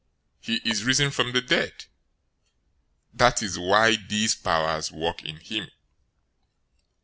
He is risen from the dead. That is why these powers work in him."